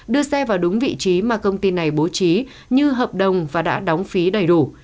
đưa xe vào đúng vị trí mà công ty này bố trí như hợp đồng và đã đóng phí đầy đủ